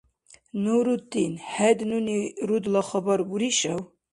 Нуруттин, хӀед нуни рудла хабар буришав?